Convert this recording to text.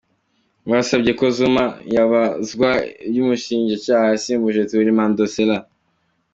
Basabye ko Zuma yazabazwa n’umushinjacyaha yasimbuje Thuli Madonsela.